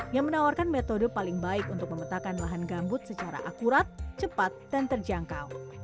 yang menawarkan metode paling baik untuk memetakan lahan gambut secara akurat cepat dan terjangkau